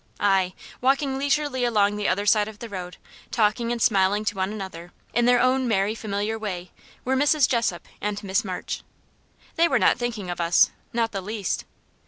Ay! walking leisurely along the other side of the road talking and smiling to one another, in their own merry, familiar way, were Mrs. Jessop and Miss March. They were not thinking of us, not the least.